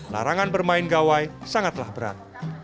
larangan bermain gawai sangatlah berat